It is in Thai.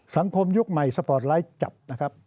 ยุคใหม่สปอร์ตไลท์จับนะครับ